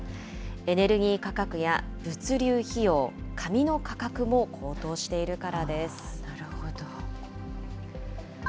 エネルギー価格や物流費用、紙の価格も高騰しているからです。